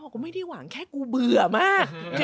กูไม่ได้หวังแค่กูเบื่อมาก